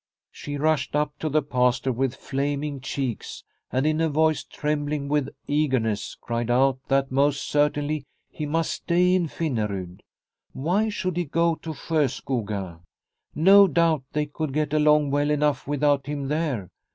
She rushed up to the Pastor with flaming cheeks, and in a voice trembling with eagerness cried out that most certainly he must stay in Finnerud. Why should he go to Sjoskoga ? No doubt they could get along well enough without him there.